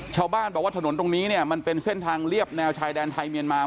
ชาวบ้านบอกว่าถนนตรงนี้เนี่ยมันเป็นเส้นทางเรียบแนวชายแดนไทยเมียนมา